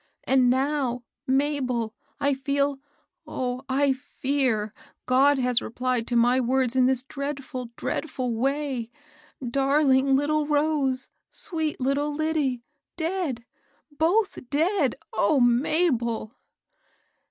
And now^ Mabel, I feel — oh, I fear^ God lias replied to my words in this dreadful, dreadful way ! Darling little Rose ! sweet little Lyddie !— dead! — both dead! O Mabel!